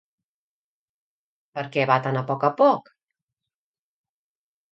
Perquè va tan a poc a poc?